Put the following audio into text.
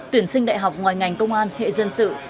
tuyển sinh đại học ngoài ngành công an hệ dân sự